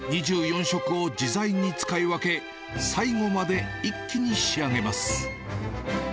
２４色を自在に使い分け、最後まで一気に仕上げます。